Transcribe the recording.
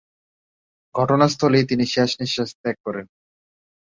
ঘটনাস্থলেই তিনি শেষ নিঃশ্বাস ত্যাগ করেন।